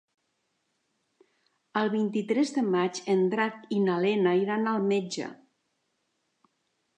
El vint-i-tres de maig en Drac i na Lena iran al metge.